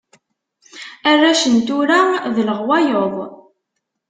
Arrac n tura d leɣwayeḍ.